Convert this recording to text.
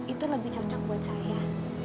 itu lebih cocok buat saya